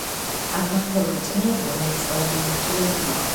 ატმოსფერული წნევა რომელიც ყველა მიმართულებით მოქმედებს